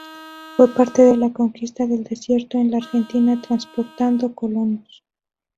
Fue parte de la Conquista del Desierto en la Argentina transportando colonos.